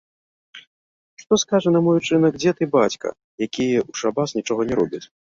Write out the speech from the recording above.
Што скажа на мой учынак дзед і бацька, якія ў шабас нічога не робяць?